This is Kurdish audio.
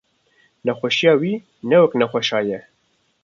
nexweşiya wî ne wek nexweşa ye.